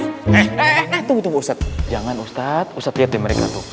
eh eh eh tunggu tunggu ustadz jangan ustadz ustadz lihat mereka tuh